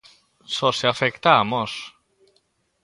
Só se afecta a Mos.